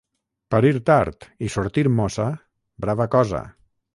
Parir tard i sortir mossa, brava cosa!